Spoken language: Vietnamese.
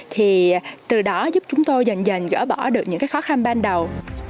thì từ đó giúp chúng tôi dần dần gỡ bỏ được những cái khó khăn ban đầu